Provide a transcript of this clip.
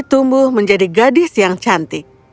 tumbuh menjadi gadis yang cantik